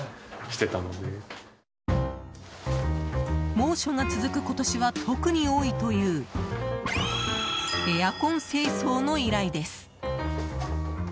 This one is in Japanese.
猛暑が続く今年は特に多いというエアコン清掃の依頼です。